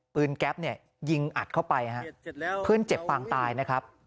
แก๊ปเนี่ยยิงอัดเข้าไปฮะเพื่อนเจ็บปางตายนะครับ